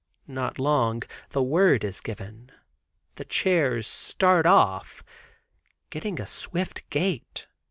Not long. The word is given, the chairs start off, getting a swift gait.